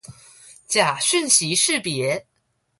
假訊息識別